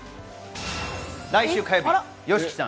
来週火曜日、ＹＯＳＨＩＫＩさん